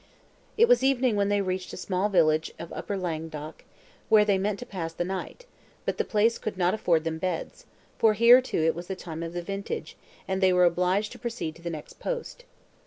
It was evening when they reached a small village of Upper Languedoc, where they meant to pass the night, but the place could not afford them beds; for here, too, it was the time of the vintage, and they were obliged to proceed to the next post.